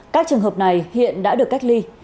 các trường hợp này hiện đã được cách ly